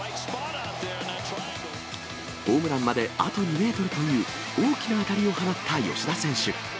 ホームランまであと２メートルという大きな当たりを放った吉田選手。